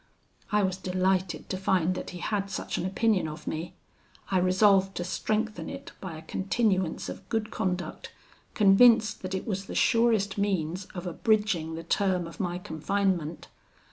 "I was delighted to find that he had such an opinion of me. I resolved to strengthen it by a continuance of good conduct, convinced that it was the surest means of abridging the term of my confinement.